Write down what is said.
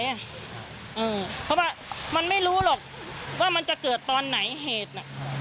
เพราะว่ามันไม่รู้หรอกว่ามันจะเกิดตอนไหนเหตุน่ะ